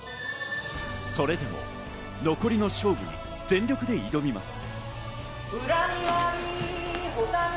それでも、残りの勝負に全力で挑みます。